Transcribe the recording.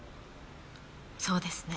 そうですね。